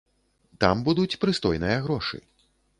Там будуць прыстойныя грошы.